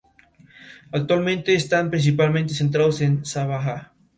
El área contiene las ruinas de una ciudad, tumbas y lugares sagrados.